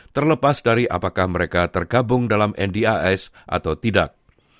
terlepas dari apakah mereka tergabung dalam ndis atau tidak